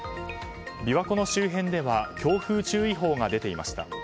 琵琶湖の周辺では強風注意報が出ていました。